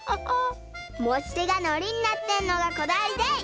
もちてがのりになってるのがこだわりでい！